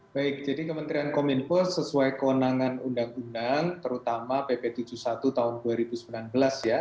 baik jadi kementerian kominfo sesuai kewenangan undang undang terutama pp tujuh puluh satu tahun dua ribu sembilan belas ya